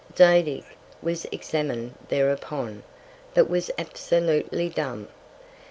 Zadig was examin'd thereupon, but was absolutely dumb.